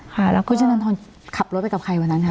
ค่ะคุณชั้นทนทนขับรถไปกับใครวันนั้นค่ะ